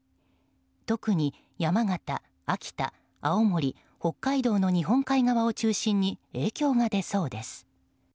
特に山形、秋田、青森、北海道の日本海側を中心に影響が出そうです。